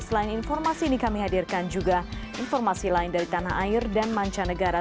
selain informasi ini kami hadirkan juga informasi lain dari tanah air dan mancanegara